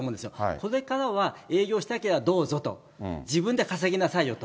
これからは、営業したきゃどうぞと、自分で稼ぎなさいよと。